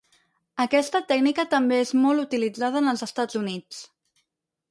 Aquesta tècnica també és molt utilitzada en els Estats Units.